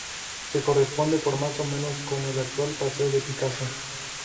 Se corresponde más o menos con el actual Paseo de Picasso.